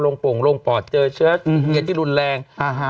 โรงโปร่งโรงปอดเจอเชื้อเงียดที่รุนแรง